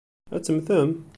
Ad temmtem?